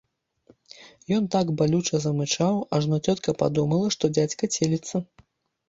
Ён так балюча замычаў, ажно цётка падумала, што дзядзька целіцца.